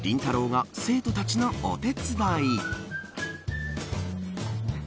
が生徒たちのお手伝い。